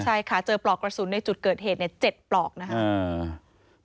ใช่ค่ะเจอปลอกกระสุนในจุดเกิดเหตุ๗ปลอกนะครับ